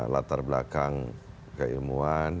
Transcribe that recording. latar belakang keilmuan